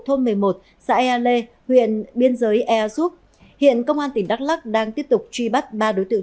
thôn một mươi một xã ea lê huyện biên giới ea súp hiện công an tỉnh đắk lắc đang tiếp tục truy bắt ba đối tượng